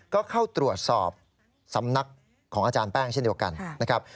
ก็เข้าตรวจสอบสำนักของอาจารย์แป้งเช่นเดียวกันนะครับ